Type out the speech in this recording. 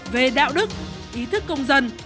về đạo đức ý thức công dân